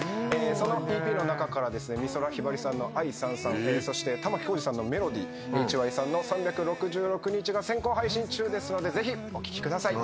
そのＥＰの中から美空ひばりさんの『愛燦燦』そして玉置浩二さんの『メロディー』ＨＹさんの『３６６日』が先行配信中ですのでぜひお聴きください。